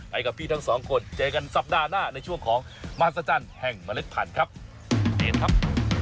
กับพี่ทั้งสองคนเจอกันสัปดาห์หน้าในช่วงของมหัศจรรย์แห่งเมล็ดพันธุ์ครับเชิญครับ